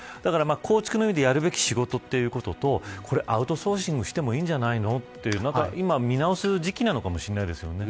構築の意味でやるべき仕事というのとこれ、アウトソーシングしてもいいんじゃないかというところと今、見直す時期かもしれないですよね。